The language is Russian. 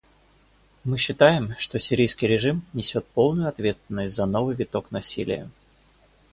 Мы считаем, что сирийский режим несет полную ответственность за новый виток насилия.